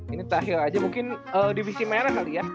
ini tahir aja mungkin divisi merah kali ya